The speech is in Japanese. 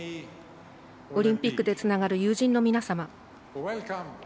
オリンピックでつながる友人の皆様。